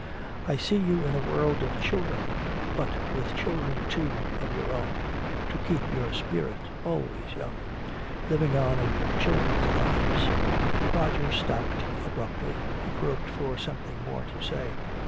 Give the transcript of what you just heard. I see you in a world of children, but with children, too, of your own to keep your spirit always young! Living on in your children's lives!" Roger stopped abruptly. He groped for something more to say.